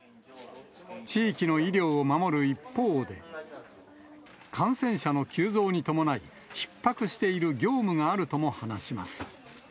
地域の医療を守る一方で、感染者の急増に伴い、ひっ迫している業務があるとも話します。